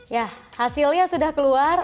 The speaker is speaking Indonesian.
ya hasilnya sudah keluar